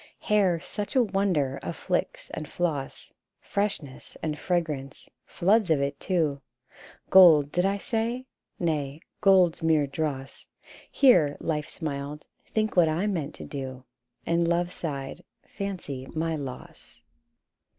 Hair, such a wonder of flix and floss, Freshness and fragrance — floods of it, too ! Gold, did I say ? Nay, gold's mere dross : Here, Life smiled, M Think what I meant to do !" And Love sighed, M Fancy my loss